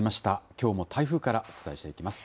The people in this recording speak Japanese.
きょうも台風からお伝えしていきます。